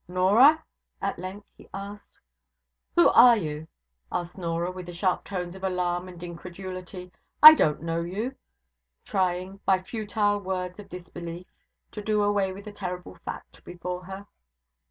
'Norah?' at length he asked. 'Who are you?' asked Norah, with the sharp tones of alarm and incredulity. 'I don't know you'; trying, by futile words of disbelief, to do away with the terrible fact before her.